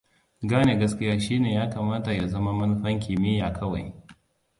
Gane gaskiya shine ya kamata ya zama manufan kimiyya kawai.